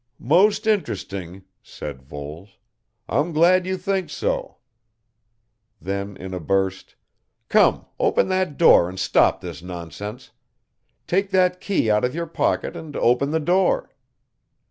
"Most interesting," said Voles. "I'm glad you think so " Then in a burst, "Come, open that door and stop this nonsense take that key out of your pocket and open the door.